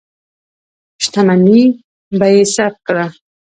شتمني به یې ضبط کړه.